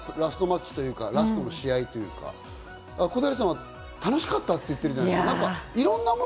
引退を決めてのラストマッチ、ラストの試合というか、小平さんは楽しかったって言ってるじゃないですか。